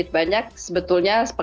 itu adalah kebanyakan